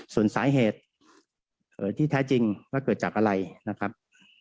ส่วนสาเหตุที่แท้จริงว่าเกิดจากอะไรนะครับ